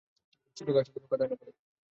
শুধু গাছটা যেন কাটা না পড়ে।